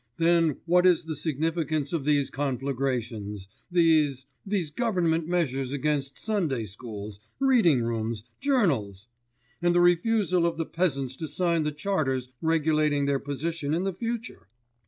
Then what is the significance of these conflagrations? these ... these government measures against Sunday schools, reading rooms, journals? And the refusal of the peasants to sign the charters regulating their position in the future?